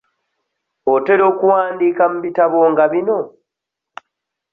Otera okuwandiika mu bitabo nga bino?